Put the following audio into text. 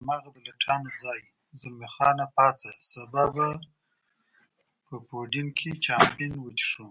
هماغه د لټانو ځای، زلمی خان پاڅه، سبا به په یوډین کې چامپېن وڅښو.